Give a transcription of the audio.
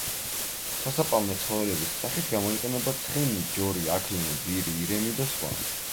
სასაპალნე ცხოველების სახით გამოიყენება: ცხენი, ჯორი, აქლემი, ვირი, ირემი და სხვა.